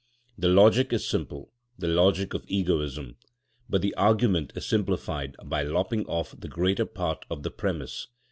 The logic is simple—the logic of egoism. But the argument is simplified by lopping off the greater part of the premise.